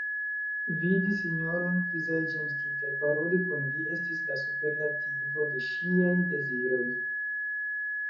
Vidi sinjoron Przyjemski kaj paroli kun li estis la superlativo de ŝiaj deziroj.